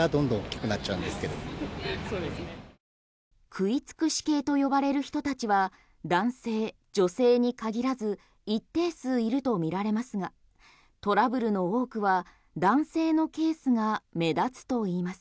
食い尽くし系と呼ばれる人たちは男性、女性に限らず一定数いるとみられますがトラブルの多くは男性のケースが目立つといいます。